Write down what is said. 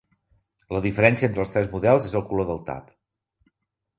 La diferència entre els tres models és el color del tap.